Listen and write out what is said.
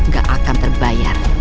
gak akan terbayar